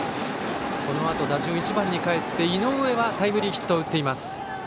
このあと打順が１番にかえって井上はタイムリーヒットを打っています。